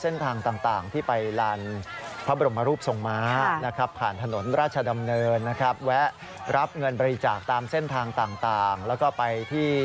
นี่พัฟตอนเมื่อเช้าน่าจะเป็นนี่ไป